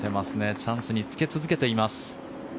チャンスにつけ続けています。